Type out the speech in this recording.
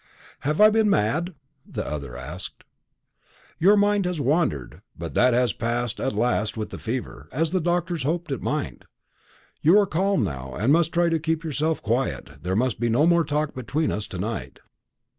"Have I been mad?" the other asked. "Your mind has wandered. But that has passed at last with the fever, as the doctors hoped it might. You are calm now, and must try to keep yourself quiet; there must be no more talk between us to night."